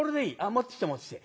持ってきて持ってきて。